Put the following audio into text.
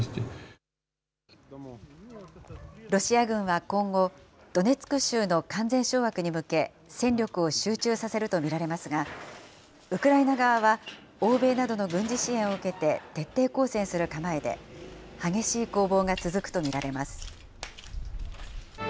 ロシア軍は今後、ドネツク州の完全掌握に向け、戦力を集中させると見られますが、ウクライナ側は欧米などの軍事支援を受けて徹底抗戦する構えで、激しい攻防が続くと見られます。